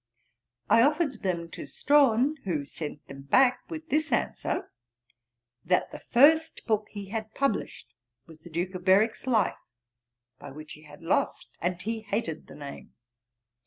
I offered them to Strahan, who sent them back with this answer: "That the first book he had published was the Duke of Berwick's Life, by which he had lost: and he hated the name."